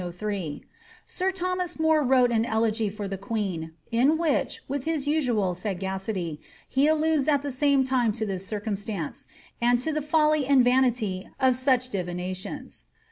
Sr liioinas More wrote an el^gy for the queen, in which, with his usual Mcity, he alludes at the same time to this circumstance, and to the foUy and vanity of such divinations.